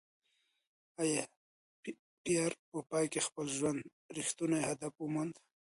ایا پییر په پای کې د خپل ژوند رښتینی هدف وموند؟